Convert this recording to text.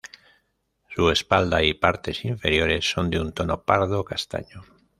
Su espalda y partes inferiores son de un tono pardo castaño.